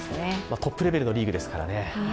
トップレベルのリーグですからね。